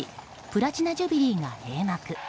プラチナ・ジュビリーが閉幕。